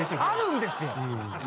あるんですよ。